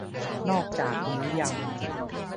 นอกจากนี้ยัง